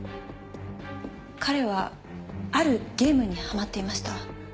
彼はあるゲームにハマっていました。